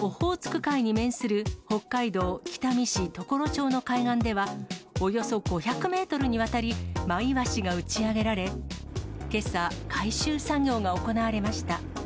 オホーツク海に面する北海道北見市常呂町の海岸では、およそ５００メートルにわたり、マイワシが打ち上げられ、けさ、回収作業が行われました。